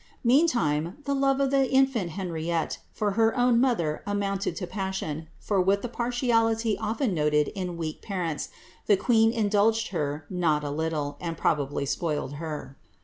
Meantime the love oV the infant^ Henriette, for her own mother amounted to passion, for with the partiality often noted in weak parents, the queen indulged her not a little^ and probably spoiled her.